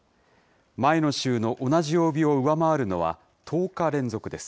前の週の同じ曜日を上回るのは１０日連続です。